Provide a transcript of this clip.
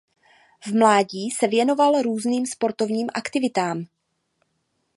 V mládí se věnoval různým sportovním aktivitám.